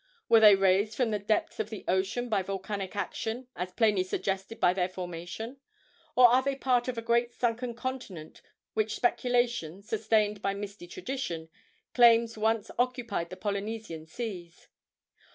Were they raised from the depths of the ocean by volcanic action, as plainly suggested by their formation? or are they a part of a great sunken continent which speculation, sustained by misty tradition, claims once occupied the Polynesian seas?